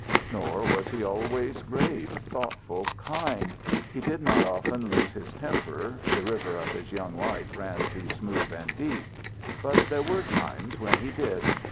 Nor was he always grave, thoughtful, kind. He did not often lose his temper, the river of his young life ran too smooth and deep. But there were times when he did.